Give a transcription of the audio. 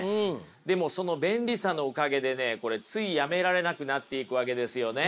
でもその便利さのおかげでねこれついやめられなくなっていくわけですよね。